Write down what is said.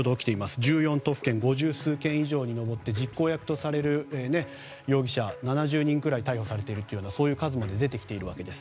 １４都府県五十数件以上に上っていて実行役とされる容疑者７０人くらい逮捕されているというそういう数まで出てきています。